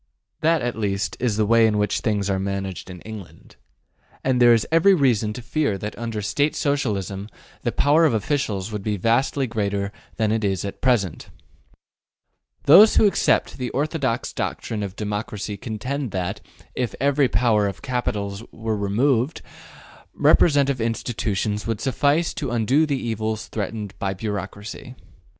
That at least is the way in which things are managed in England. And there is every reason to fear that under State Socialism the power of officials would be vastly greater than it is at present. Those who accept the orthodox doctrine of democracy contend that, if ever the power of capital were removed, representative institutions would suffice to undo the evils threatened by bureaucracy.